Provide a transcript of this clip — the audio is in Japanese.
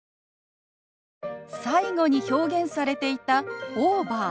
最後に表現されていた「オーバー」。